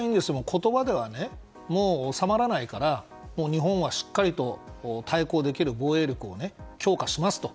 言葉ではもう収まらないから日本はしっかりと対抗できる防衛力を強化しますと。